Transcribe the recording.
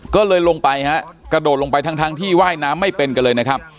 ก็เลยลงไปฮะกระโดดลงไปทั้งที่ว่ายน้ำไม่เป็นกันเลยนะครับ